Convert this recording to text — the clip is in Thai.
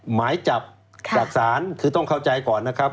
หมายจับจากศาลคือต้องเข้าใจก่อนนะครับ